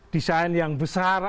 desain yang besar